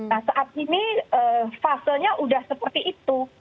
nah saat ini fasenya sudah seperti itu